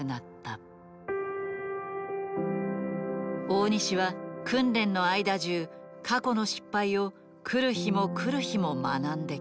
大西は訓練の間じゅう過去の失敗を来る日も来る日も学んできた。